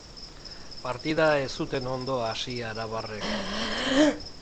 Partida ez zuten ondo hasi arabarrek.